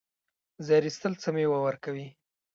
زیار ایستل څه مېوه ورکوي؟